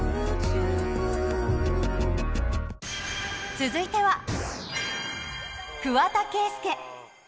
続いては、桑田佳祐。